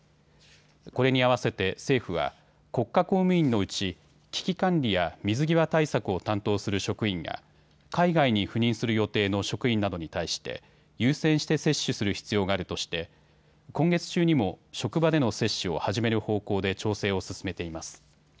これに合わせて政府は国家公務員のうち危機管理や水際対策を担当する職員や海外に赴任する予定の職員などに対して優先して接種する必要があるとして今月中にも職場での接種を始める方向で調整を進めています。